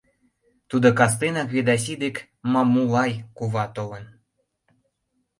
Тудо кастенак Ведаси дек Мамулай кува толын.